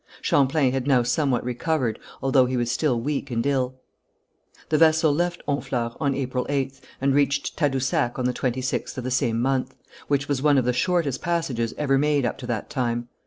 Champlain had now somewhat recovered, although he was still weak and ill. The vessel left Honfleur on April 8th, and reached Tadousac on the 26th of the same month; which was one of the shortest passages ever made up to that time.